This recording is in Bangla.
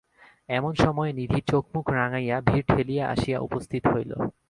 এমন সময়ে নিধি চোখ মুখ রাঙাইয়া ভিড় ঠেলিয়া আসিয়া উপস্থিত হইল।